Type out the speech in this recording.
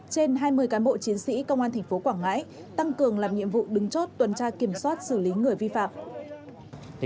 trên hai mươi cán bộ chiến sĩ công an tp quảng ngãi tăng cường làm nhiệm vụ đứng chốt tuần tra kiểm soát xử lý người vi phạm